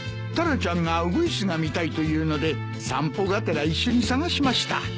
タラちゃんがウグイスが見たいと言うので散歩がてら一緒に探しました。